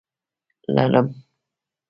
🦂 لړم